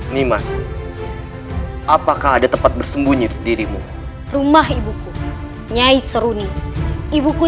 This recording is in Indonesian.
nih mas apakah ada tempat bersembunyi dirimu rumah ibuku nyai seruni ibuku